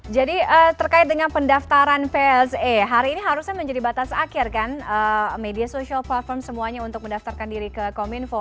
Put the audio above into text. jadi terkait dengan pendaftaran pse hari ini harusnya menjadi batas akhir kan media sosial platform semuanya untuk mendaftarkan diri ke kominfo